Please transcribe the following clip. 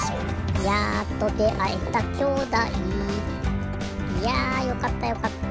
「やっと出会えた兄弟」いやよかったよかった。